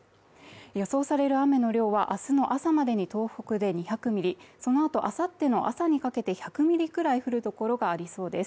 予想される雨の量は明日の朝までに東北で２００ミリその後明後日の朝にかけて１００ミリくらい降るところがありそうです。